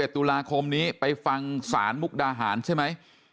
ตุลาคมนี้ไปฟังศาลมุกดาหารใช่ไหม